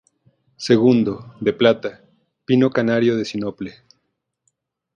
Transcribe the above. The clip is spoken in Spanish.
Segundo, de plata, pino canario de sinople.